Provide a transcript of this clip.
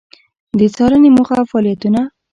د څــارنـې موخـه او فعالیـتونـه: